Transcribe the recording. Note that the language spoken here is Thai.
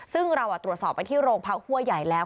ซึ่งเราตรวจสอบไปที่โรงพักหัวใหญ่แล้ว